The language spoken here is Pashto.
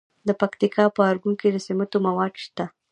د پکتیکا په ارګون کې د سمنټو مواد شته.